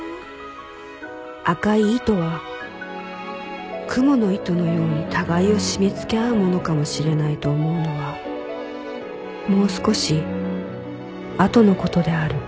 赤い糸は蜘蛛の糸のように互いを締めつけ合うものかもしれないと思うのはもう少しあとの事である